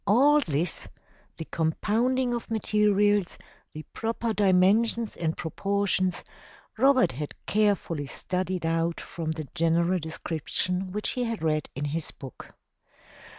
All this — ^the compounding of materials, the proper dimensions and proportions — Robert had carefully studied out from the general description which he had read in his book.